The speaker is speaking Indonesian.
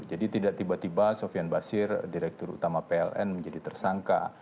jadi tidak tiba tiba sofian basir direktur utama pln menjadi tersangka